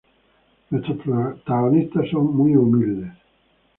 Nuestros protagonistas son muy humildes.